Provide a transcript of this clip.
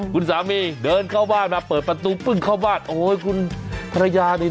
คุณสามีเดินเข้าบ้านมาเปิดประตูปึ้งเข้าบ้านโอ้ยคุณภรรยานี่